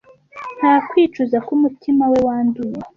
nta kwicuza kumutima we wanduye